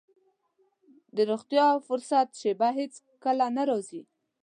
د روغتيا او فرصت شېبه هېڅ کله نه راځي.